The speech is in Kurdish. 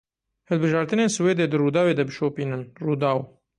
Hilbijartinên Swêde di Rûdawê de bişopînin Rûdaw.